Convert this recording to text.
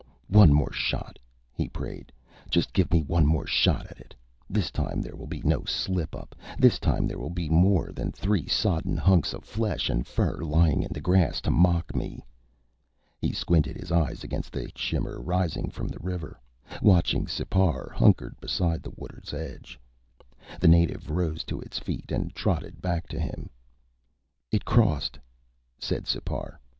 One more shot, he prayed. Just give me one more shot at it. This time there will be no slip up. This time there will be more than three sodden hunks of flesh and fur lying in the grass to mock me. He squinted his eyes against the heat shimmer rising from the river, watching Sipar hunkered beside the water's edge. The native rose to its feet and trotted back to him. "It crossed," said Sipar.